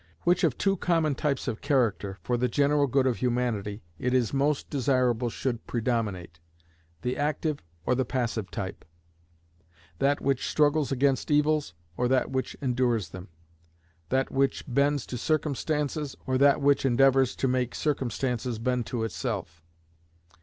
which of two common types of character, for the general good of humanity, it is most desirable should predominate the active or the passive type; that which struggles against evils, or that which endures them; that which bends to circumstances, or that which endeavours to make circumstances bend to itself.